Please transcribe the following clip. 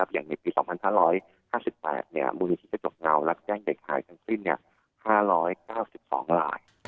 อย่างในปี๒๕๕๘มูลนิธิกระจกเงารับแจ้งเด็กหายทั้งสิ้น๕๙๒ลาย